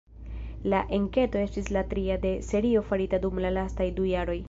La enketo estis la tria de serio farita dum la lastaj du jaroj.